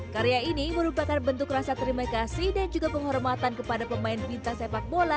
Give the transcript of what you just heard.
karya ini merupakan bentuk rasa terima kasih dan juga penghormatan kepada pemain bintang sepak bola